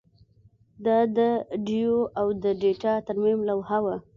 دا د ډیو د ډیټا ترمیم لوحه وه